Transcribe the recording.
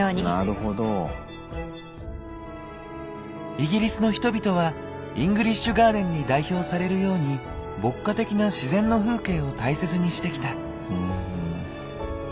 イギリスの人々はイングリッシュガーデンに代表されるように牧歌的な自然の風景を大切にしてきた。